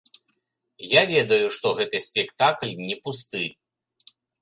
Я ведаю, што гэты спектакль не пусты.